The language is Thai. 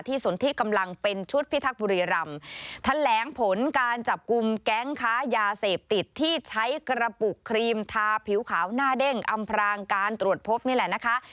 สนที่กำลังเป็นชุดพิทักษ์บุรีรำแถลงผลการจับกลุ่มแก๊งค้ายาเสพติดที่ใช้กระปุกครีมทาผิวขาวหน้าเด้งอำพรางการตรวจพบนี่แหละนะคะ